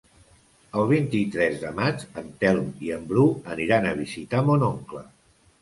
El vint-i-tres de maig en Telm i en Bru aniran a visitar mon oncle.